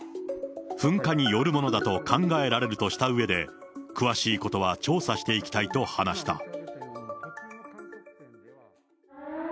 噴火によるものだと考えられるとしたうえで、詳しいことは調査していきたいと話した。